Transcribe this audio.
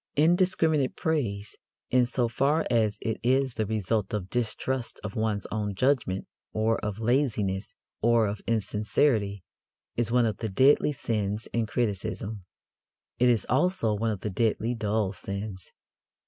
Indiscriminate praise, in so far as it is the result of distrust of one's own judgment or of laziness or of insincerity, is one of the deadly sins in criticism. It is also one of the deadly dull sins.